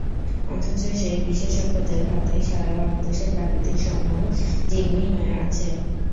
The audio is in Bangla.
অথচ সেই বিশেষজ্ঞদের হাতেই সারা বাংলাদেশের প্রাকৃতিক সম্পদ জিম্মি হয়ে আছে।